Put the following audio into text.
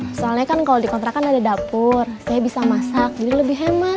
misalnya kan kalau di kontrakan ada da pur saya bisa masak jadi lebih hemat